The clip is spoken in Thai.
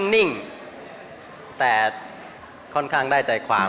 นิ่งแต่ได้ใจความ